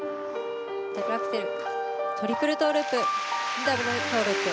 ダブルアクセルトリプルトウループダブルトウループ。